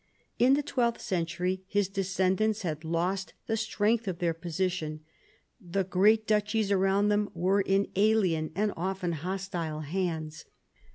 In the twelfth century his descendants had lost the strength of his position. The great duchies around them were in alien and often hostile hands.